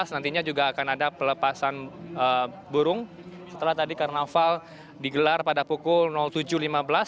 nantinya juga akan ada pelepasan burung setelah tadi karnaval digelar pada pukul tujuh lima belas